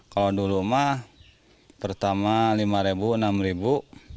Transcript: kalau dulu mah pertama lima ribu enam ribu